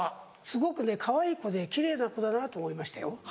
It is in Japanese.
すごくねかわいい子で奇麗な子だなと思いましたよ。